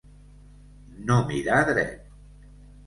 No mirar dret.